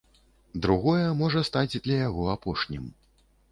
Другое можа стаць для яго апошнім.